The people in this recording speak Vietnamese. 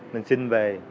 mình xin về